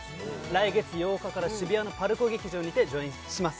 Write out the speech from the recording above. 来月８日から渋谷のＰＡＲＣＯ劇場にて上演します